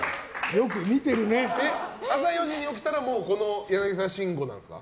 朝４時に起きたらこの柳沢慎吾なんですか？